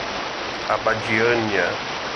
Abadiânia